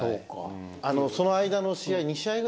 その間の試合。